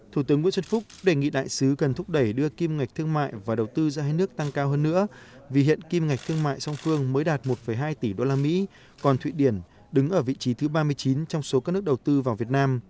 thủ tướng nguyễn xuân phúc đề nghị đại sứ cần thúc đẩy đưa kim ngạch thương mại và đầu tư giữa hai nước tăng cao hơn nữa vì hiện kim ngạch thương mại song phương mới đạt một hai tỷ usd còn thụy điển đứng ở vị trí thứ ba mươi chín trong số các nước đầu tư vào việt nam